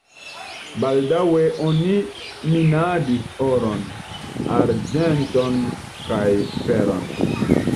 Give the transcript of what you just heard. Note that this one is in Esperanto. Baldaŭe oni minadis oron, arĝenton kaj feron.